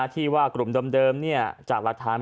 ที่ว่ากลุ่มเดิมจากหลักฐาน